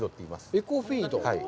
エコフィード？